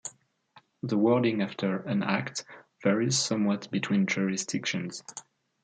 The wording after "An Act" varies somewhat between jurisdictions.